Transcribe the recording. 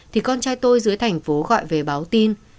thì con trai tôi dưới thành phố gọi về báo tin